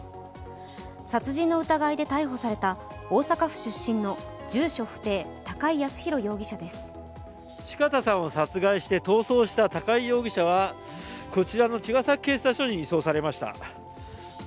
殺人の疑いで逮捕された大阪府出身の住所不定、四方さんを殺害して逃走した高井容疑者はこちらの茅ヶ崎警察署に移送されました。